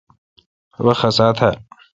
وی خسا تھال۔